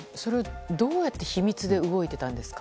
どうやって秘密で動いていたんですか？